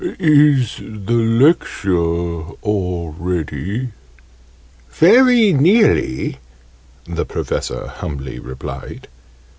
Is the Lecture all ready?" "Very nearly," the Professor humbly replied.